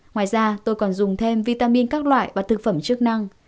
ngoài ra tôi còn dùng thêm vitamin các loại và thực phẩm chức năng